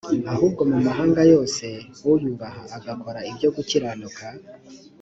ahubwo mu mahanga yose uyubaha agakora ibyo gukiranuka